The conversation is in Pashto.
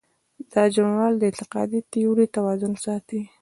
دا ژورنال د انتقادي تیورۍ توازن ساتي.